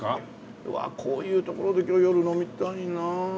うわあこういう所で今日夜飲みたいなあ。